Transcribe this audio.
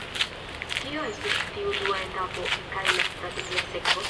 Kio estas tiu dua etapo kaj la strategia sekvo?